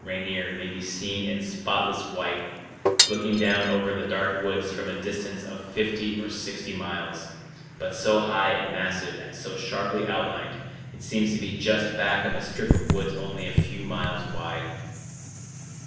Rainier may be seen in spotless white, looking down over the dark woods from a distance of fifty or sixty miles, but so high and massive and so sharply outlined, it seems to be just back of a strip of woods only a few miles wide.